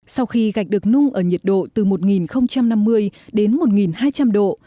sau khi gạch được nung ở nhiệt độ từ một năm mươi đến một hai trăm linh độ